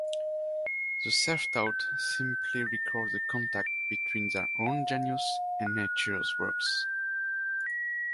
The self-taught simply record the contact between their own genius and Nature's works.